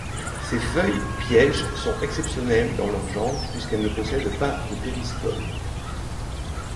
Ces feuilles pièges sont exceptionnelles dans leur genre puisqu'elles ne possèdent pas de péristome.